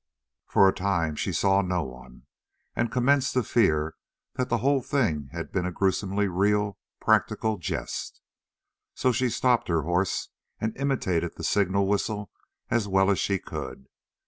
For a time she saw no one, and commenced to fear that the whole thing had been a gruesomely real, practical jest. So she stopped her horse and imitated the signal whistle as well as she could.